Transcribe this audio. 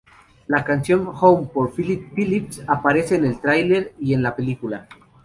La canción, "Home" por Phillip Phillips aparece en el tráiler y en la película.